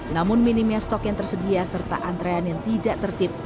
namun minimnya stok yang tersedia serta antrean yang tidak tertib